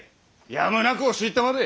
やむなく押し入ったまで！